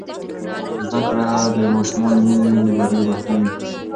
که زده کړه د ماشومانو مینه وي، نو بریا به حتمي وي.